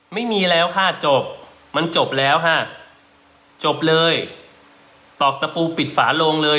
ไม่มีแล้วค่ะจบมันจบแล้วค่ะจบเลยตอกตะปูปิดฝาโลงเลย